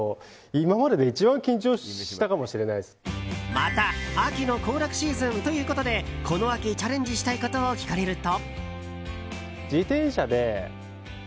また、秋の行楽シーズンということでこの秋チャレンジしたいことを聞かれると。